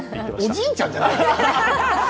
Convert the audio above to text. おじいちゃんじゃないのよ。